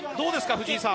藤井さん。